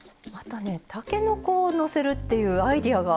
たけのこをのせるっていうアイデアが。